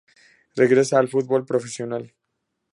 Regresa al fútbol profesional.